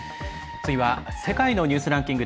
次は「世界のニュースランキング」。